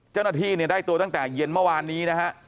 เจ้าหน้าที่เนี่ยได้ตัวตั้งแต่เย็นเมื่อวานนี้นะฮะ